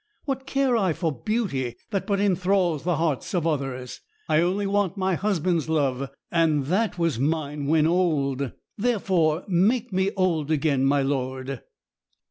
What care I for beauty that but enthrals the hearts of others? I only want my husband's love, and that was mine when old! Therefore, make me old again, my lord!"